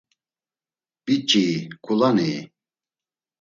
Biç̌ii, ǩulanii?